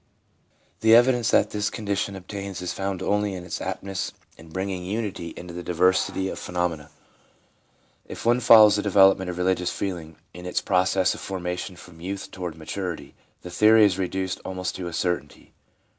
The evidence that this condition obtains is found only in its aptness in bringing unity into the diversity of pheno mena. If one follows the development of religious feeling in its process of formation from youth toward maturity, the theory is reduced almost to a certainty.